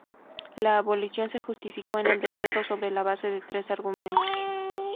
La abolición se justificó en el decreto sobre la base de tres argumentos.